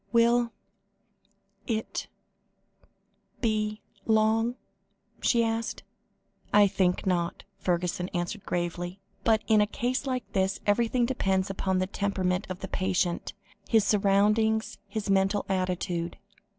"Will it be long?" she asked. "I think not," Fergusson answered gravely, "but in a case like this everything depends upon the temperament of the patient, his surroundings, his mental attitude.